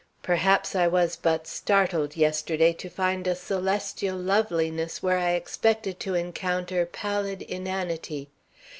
Perhaps I was but startled yesterday to find a celestial loveliness where I expected to encounter pallid inanity.